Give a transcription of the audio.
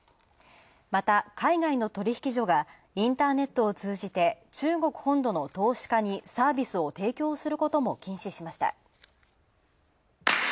また、海外の取引所がインターネットを通じて、中国本土の投資家にサービスを提供することも禁止しました。